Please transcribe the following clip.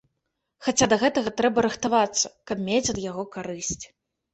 Хаця да гэтага трэба рыхтавацца, каб мець ад яго карысць.